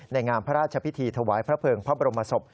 งามพระราชพิธีถวายพระเภิงพระบรมศพ